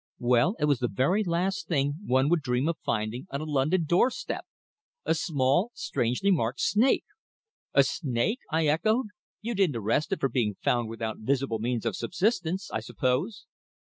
"Well, it was the very last thing one would dream of finding on a London doorstep a small, strangely marked snake." "A snake!" I echoed. "You didn't arrest it for being found without visible means of subsistence, I suppose?"